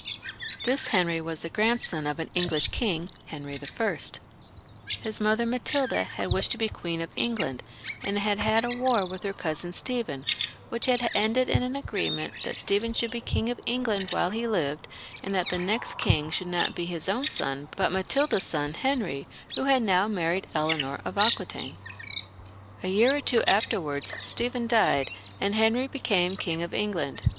This Henry was the grandson of an English king, xvj LOUIS yiL {LE JEUNE). 89 Henry I. His mother, Matilda, had wished to be queen of England, and had had a war with her cousin Stephen, which had ended in an agreement that Stephen should be King of England while he lived, and that the next king should be not his own son, but Matilda's son, Henry, who had now married Eleanor of Aquitane. A year or two afterwards Stephen died and Henry became King of England.